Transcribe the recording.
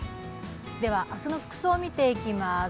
では明日の服装を見ていきます。